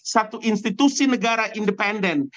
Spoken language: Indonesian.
satu institusi negara independen